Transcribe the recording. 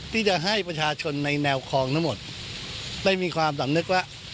ที่จะให้ประชาชนในแนวคลองทั้งหมดได้มีความสำนึกว่า